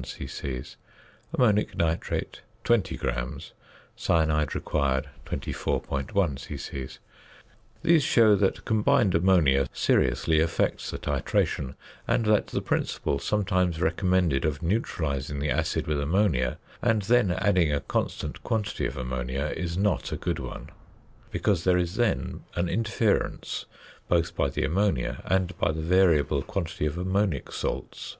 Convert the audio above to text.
23.1 c.c. 24.1 c.c. These show that combined ammonia seriously affects the titration, and that the principle sometimes recommended of neutralising the acid with ammonia, and then adding a constant quantity of ammonia, is not a good one, because there is then an interference both by the ammonia and by the variable quantity of ammonic salts.